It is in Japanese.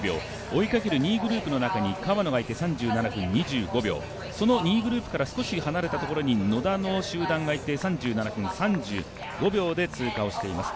追いかける２位グループの中に川野がいて３７分２５秒、その２位グループから少し離れたところに野田の集団がいて３７分３５秒で通過をしています。